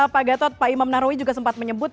pak gatot pak imam nahrawi juga sempat menyebut